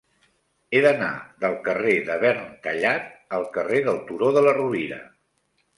He d'anar del carrer de Verntallat al carrer del Turó de la Rovira.